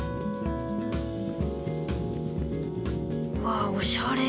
わあおしゃれ。